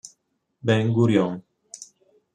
Ben Gurion.